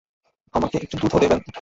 আমাকে একটু দুধও দেবেন।